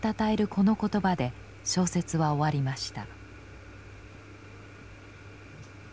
この言葉で小説は終わりました。